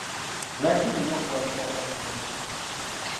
Lwaki nnina okuwagira gavumenti?